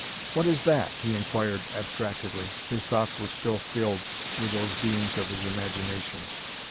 "What is that?" he inquired abstractedly his thoughts were still filled with those beings of his imagination.